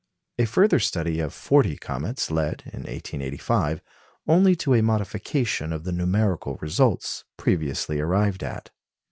A further study of forty comets led, in 1885, only to a modification of the numerical results previously arrived at.